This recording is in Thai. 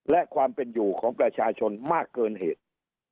และความเป็นอยู่ของประชาชนมากเกินเหตุ